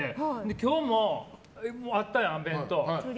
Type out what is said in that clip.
今日もあったやん、弁当。